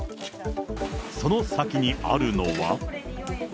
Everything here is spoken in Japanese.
その先にあるのは。